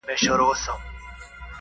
چي پرون مي د نيکونو وو- نن زما دی--!